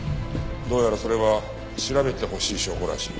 どうやらそれは調べてほしい証拠らしい。